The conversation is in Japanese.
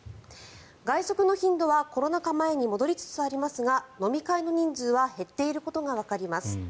外食の頻度はコロナ禍前に戻りつつありますが飲み会の人数は減っていることがわかります。